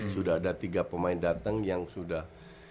sudah ada tiga pemain datang yang sudah